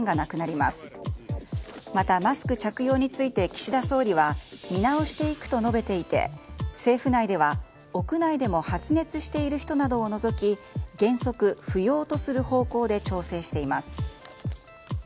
またマスク着用について岸田総理は見直していくと述べていて政府内では屋内でも発熱している人を除き原則不要とする方向で調整しています。